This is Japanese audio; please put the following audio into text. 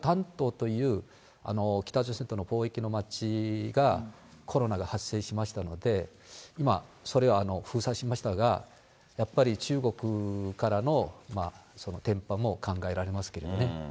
それが丹東という北朝鮮との貿易の街がコロナが発生しましたので、今、それを封鎖しましたが、やっぱり中国からの伝ぱも考えられますけれどもね。